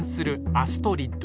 アストリッド！